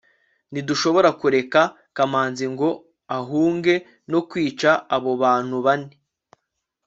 ntidushobora kureka kamanzi ngo ahunge no kwica abo bantu bane